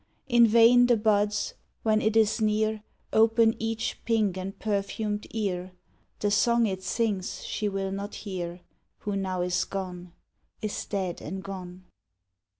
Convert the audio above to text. In vain the buds, when it is near, Open each pink and perfumed ear, The song it sings she will not hear Who now is gone, Is dead and gone.